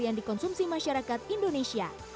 yang dikonsumsi masyarakat indonesia